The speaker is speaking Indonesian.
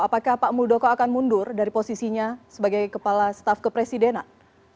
apakah pak muldoko akan mundur dari posisinya sebagai kepala staf kepresidenan